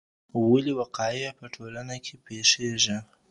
ولې وقایع په ټولنه کې پېښيږي؟